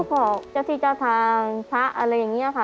พวกเจ้าที่เจ้าทางพระอะไรอย่างนี้ค่ะ